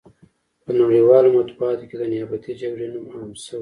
په نړیوالو مطبوعاتو کې د نیابتي جګړې نوم عام شوی.